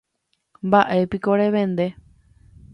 Mba'épiko revende.